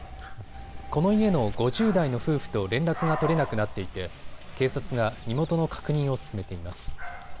この家の５０代の夫婦と連絡が取れなくなっていて警察が身元の確認を進めています。